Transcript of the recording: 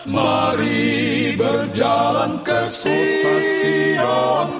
mari berjalan ke sion